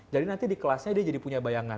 jadi nanti di kelasnya dia jadi punya bayangan